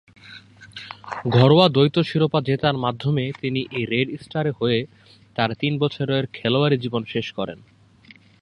ঘরোয়া দ্বৈত শিরোপা জেতার মাধ্যমে তিনি এই রেড স্টারের হয়ে তার তিন বছরের খেলোয়াড়ী জীবন শেষ করেন।